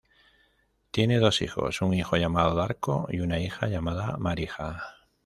Tiene dos hijos, un hijo llamado Darko y una hija llamada Marija.